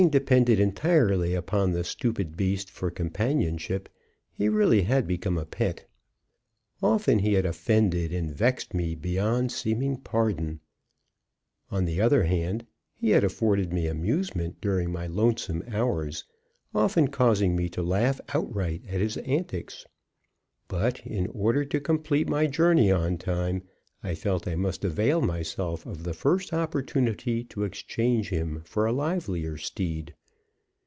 Having depended entirely upon the stupid beast for companionship, he really had become a pet. Often he had offended and vexed me beyond seeming pardon; on the other hand, he had afforded me amusement during my lonesome hours, often causing me to laugh outright at his antics. But, in order to complete my journey on time, I felt I must avail myself of the first opportunity to exchange him for a livelier steed.